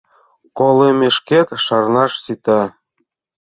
Колымешкет шарнаш сита.